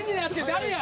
誰や！